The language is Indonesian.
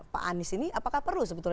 pak anies ini apakah perlu sebetulnya